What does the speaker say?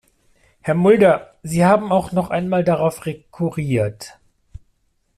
Herr Mulder, Sie haben auch noch einmal darauf rekurriert.